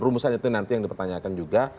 rumusan itu nanti yang dipertanyakan juga